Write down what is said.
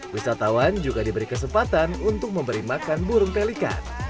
wisatawan juga diberi kesempatan untuk memberi makan burung pelikan